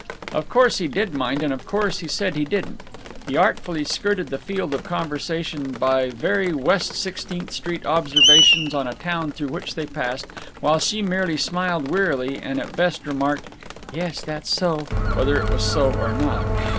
Of course he did mind, and of course he said he didn't. He artfully skirted the field of conversation by very West Sixteenth Street observations on a town through which they passed, while she merely smiled wearily, and at best remarked "Yes, that's so," whether it was so or not.